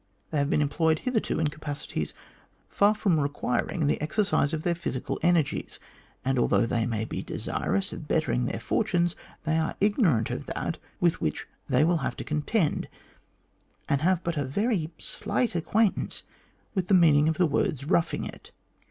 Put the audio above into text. They have been employed hitherto in capacities far from requiring the exercise of their physical energies, and although they may be desirous of bettering their fortunes, they are ignorant of that with which they will have to contend, and have but a very slight acquaintance with the meaning of the words ' roughing it.'